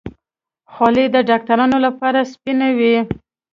خولۍ د ډاکترانو لپاره سپینه وي.